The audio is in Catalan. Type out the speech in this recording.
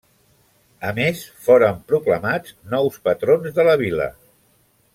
A més, foren proclamats nous patrons de la vila.